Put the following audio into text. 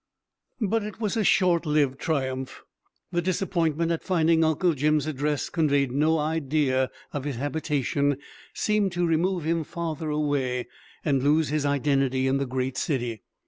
But it was a short lived triumph. The disappointment at finding Uncle Jim's address conveyed no idea of his habitation seemed to remove him farther away, and lose his identity in the great city.